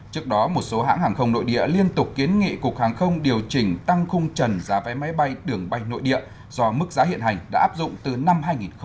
trước đó một số hãng hàng không nội địa liên tục kiến nghị cục hàng không điều chỉnh tăng khung trần giá vé máy bay đường bay nội địa do mức giá hiện hành đã áp dụng từ năm hai nghìn một mươi tám